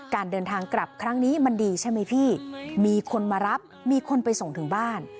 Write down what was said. การเดินทางกลับครั้งนี้มันดีใช่ไหมพี่มีคนมารับมีคนไปส่งถึงบ้าน